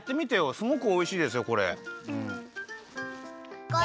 すごくおいしいですよこれ。